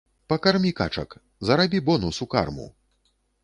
Пакармі качак, зарабі бонус у карму!